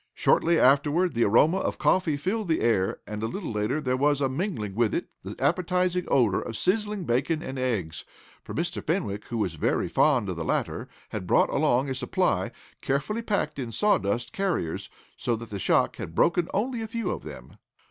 Shortly afterward, the aroma of coffee filled the air, and a little later there was mingled with it the appetizing odor of sizzling bacon and eggs, for Mr. Fenwick, who was very fond of the latter, had brought along a supply, carefully packed in sawdust carriers, so that the shock had broken only a few of them.